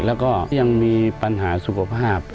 แล้วก็ยังมีปัญหาสุขภาพ